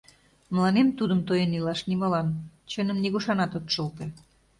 Мыланем тудым тоен илаш нимолан, чыным нигушанат от шылте...